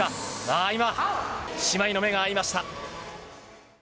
ああ、今、姉妹の目が合いました。